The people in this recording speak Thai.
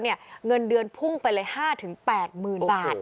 เงินเดือนพุ่งไปเลย๕๘๐๐๐บาท